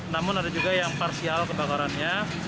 namun ada juga yang parsial kebakarannya